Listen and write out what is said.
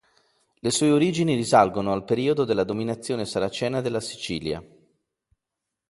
Le sue origini risalgono al periodo della dominazione saracena della Sicilia.